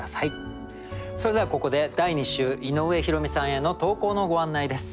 それではここで第２週井上弘美さんへの投稿のご案内です。